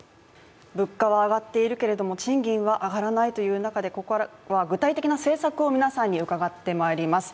物価は上がっているけれども賃金は上がらないということでここからは具体的な政策を皆さんに伺ってまいります。